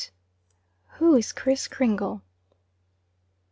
WHO IS KRISS KRINGLE?